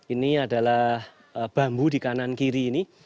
ini adalah bambu di kanan kiri ini